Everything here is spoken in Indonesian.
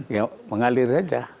ya mengalir saja